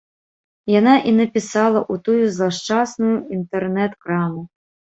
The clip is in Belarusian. Яна і напісала ў тую злашчасную інтэрнэт-краму.